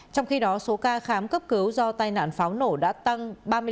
trong khi đó số ca khám cấp cứu do tai nạn pháo nổ đã tăng ba mươi năm